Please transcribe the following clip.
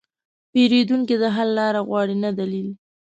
پیرودونکی د حل لاره غواړي، نه دلیل.